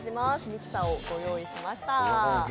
ミキサーをご用意しました。